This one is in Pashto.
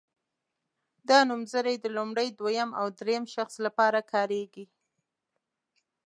دا نومځري د لومړي دویم او دریم شخص لپاره کاریږي.